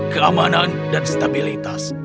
keamanan dan stabilitas